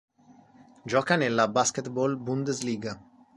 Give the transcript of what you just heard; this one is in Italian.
Gioca nella Basketball-Bundesliga.